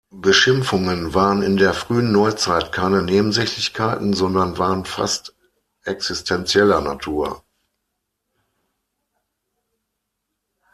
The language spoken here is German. Beschimpfungen waren in der Frühen Neuzeit keine Nebensächlichkeiten, sondern waren fast existenzieller Natur.